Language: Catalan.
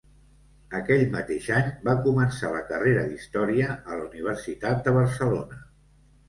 Aquell mateix any va començar la carrera d'història a la Universitat de Barcelona.